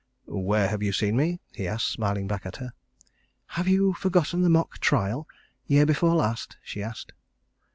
"Where have you seen me?" he asked, smiling back at her. "Have you forgotten the mock trial year before last?" she asked.